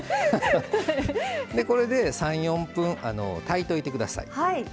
これで、３４分炊いといてください。